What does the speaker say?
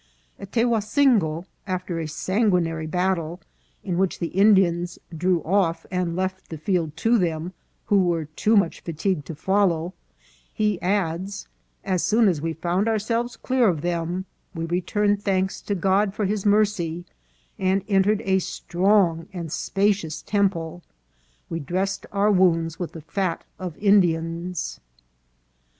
At Tehuacingo, after a sanguinary battle, in which the Indians " drew off and left the field to them, who were too much fatigued to follow," he adds, "As soon as we found ourselves clear of them, we returned thanks to God for his mercy, and, entering a strong and spa cious temple, we dressed our wounds with the fat of In dians."